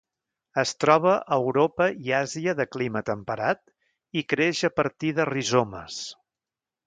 Es troba a Europa i Àsia de clima temperat, i creix a partir de rizomes.